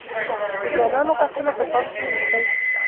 د ځوانانو غاښونه په پام کې ونیسئ.